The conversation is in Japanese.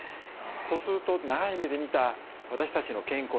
そうすると長い目で見た私たちの健康にとってね